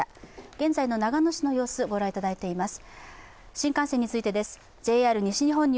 現在の長野市の様子ご覧いただいています。